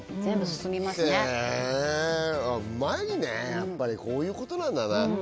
やっぱりこういうことなんだな